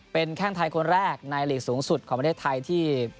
เป็นแข้งไทยคนแรกในหลีกสูงสุดของประเทศไทยที่